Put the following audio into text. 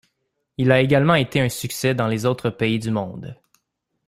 Il a également été un succès dans les autres pays du monde.